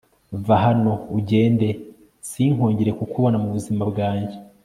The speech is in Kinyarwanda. va hano ugende sinkongere kukubona mu buzima bwanjye